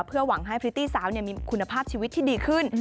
เพื่อหวังให้พริตตี้สาวมีคุณภาพชีวิตที่ดีขึ้น